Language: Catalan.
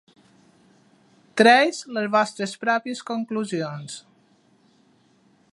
Treis les vostres pròpies conclusions.